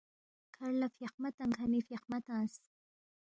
کَھر لہ فیاخمہ تنگ کھنی فیاخمہ تنگس